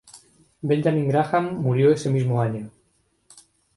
Benjamin Graham murió ese mismo año.